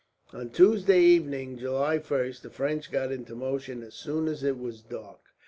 On Tuesday evening, July 1st, the French got into motion as soon as it was dark.